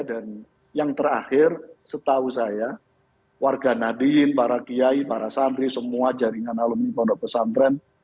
dan yang terakhir setahu saya warga nadin para kiai para sandri semua jaringan alumni pondok besantren